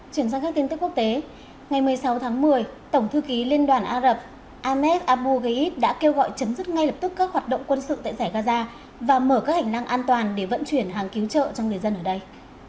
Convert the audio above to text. chuyển sang các tin tức quốc tế ngày một mươi sáu tháng một mươi tổng thư ký liên đoàn á rập ahmed abu gheid đã kêu gọi chấm dứt ngay lập tức các hoạt động quân sự tại giải gaza và mở các hành lang an toàn để vận chuyển hàng cứu trợ cho người dân ở đây